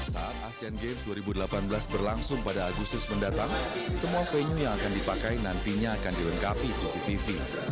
saat asean games dua ribu delapan belas berlangsung pada agustus mendatang semua venue yang akan dipakai nantinya akan dilengkapi cctv